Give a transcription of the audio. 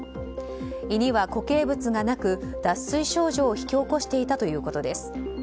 胃には固形物がなく脱水症状を引き起こしていたということです。